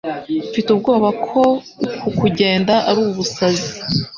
Mfite ubwoba ko uku kugenda ari ubusazi